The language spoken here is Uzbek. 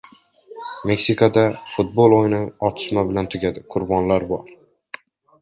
Meksikadagi futbol o‘yini otishma bilan tugadi. Qurbonlar bor